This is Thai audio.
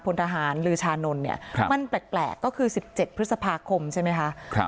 พลทหารลือชานนท์เนี่ยมันแปลกก็คือ๑๗พฤษภาคมใช่ไหมคะ